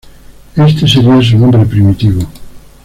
Este sería su nombre primitivo.